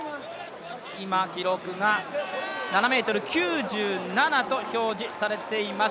今、記録が７ｍ９７と表示されています